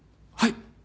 はい。